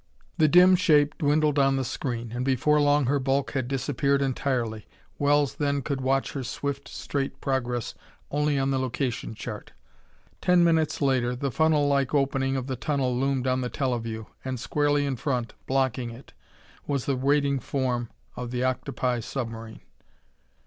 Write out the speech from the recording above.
The dim shape dwindled on the screen, and before long her bulk had disappeared entirely. Wells then could watch her swift, straight progress only on the location chart. Ten minutes later the funnel like opening of the tunnel loomed on the teleview, and squarely in front, blocking it, was the waiting form of the octopi submarine.